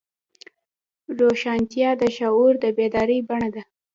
روښانتیا د شعور د بیدارۍ بڼه ده.